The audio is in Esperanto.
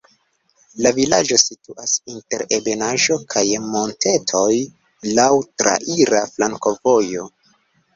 La vilaĝo situas inter ebenaĵo kaj montetoj, laŭ traira flankovojo.